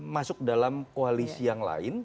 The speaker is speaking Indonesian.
masuk dalam koalisi yang lain